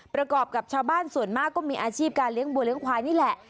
ประกอบกับชาวบ้านส่วนมากก็มีอาชีพการเลี้ยงบัวเลี้ยควายนี่แหละ